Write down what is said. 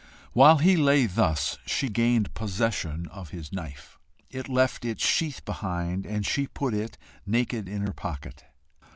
While he lay thus, she gained possession of his knife. It left its sheath behind it, and she put it naked in her pocket.